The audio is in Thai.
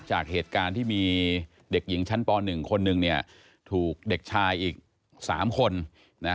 จากเหตุการณ์ที่มีเด็กหญิงชั้นป๑คนหนึ่งเนี่ยถูกเด็กชายอีก๓คนนะ